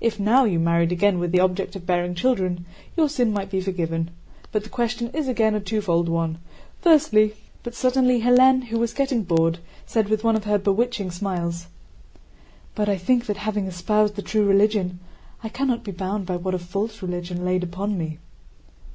If now you married again with the object of bearing children, your sin might be forgiven. But the question is again a twofold one: firstly..." But suddenly Hélène, who was getting bored, said with one of her bewitching smiles: "But I think that having espoused the true religion I cannot be bound by what a false religion laid upon me."